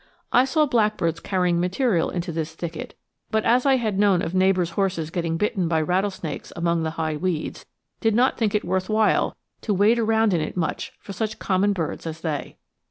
I saw blackbirds carrying material into this thicket, but as I had known of neighbors' horses getting bitten by rattlesnakes among the high weeds, did not think it worth while to wade around in it much for such common birds as they.